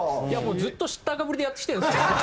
いやもうずっと知ったかぶりでやってきてるんですよ